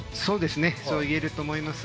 そういえると思います。